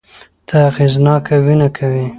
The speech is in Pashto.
ته اغېزناکه وينه کوې